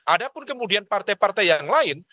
ada pun kemudian partai partai yang lain